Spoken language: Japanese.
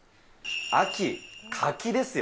秋、柿ですよ。